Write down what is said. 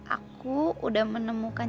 aku udah menemukan